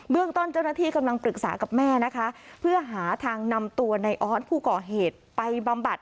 เรื่องต้นเจ้าหน้าที่กำลังปรึกษากับแม่นะคะเพื่อหาทางนำตัวในออสผู้ก่อเหตุไปบำบัด